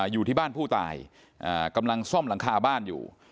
อยู่ที่บ้านผู้ตายกำลังซ่อมหลังคาบ้านอยู่